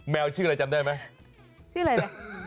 แมวชื่ออะไรจำได้ไหม